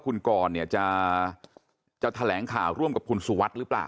คุณกรจะแถลงข่าวร่วมกับคุณสุวรรธหรือเปล่า